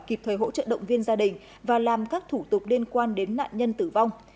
kịp thời hỗ trợ động viên gia đình và làm các thủ tục liên quan đến nạn nhân tử vong